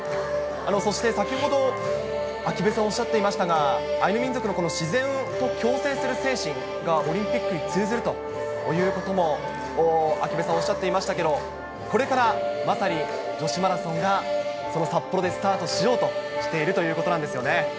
そして先ほど、秋辺さん、おっしゃっていましたが、アイヌ民族のこの自然と共生する精神がオリンピックに通ずるということも、秋辺さん、おっしゃっていましたけれども、これから、まさに女子マラソンがその札幌でスタートしようとしているということなんですよね。